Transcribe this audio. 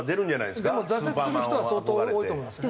でも挫折する人は相当多いと思いますね。